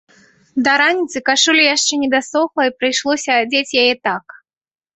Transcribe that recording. Да раніцы кашуля яшчэ не дасохла і прыйшлося адзець яе так.